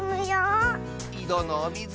いどのおみず